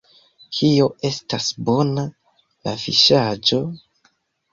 Kio estas bona? la fiŝaĵo!